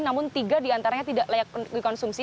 namun tiga diantaranya tidak layak dikonsumsi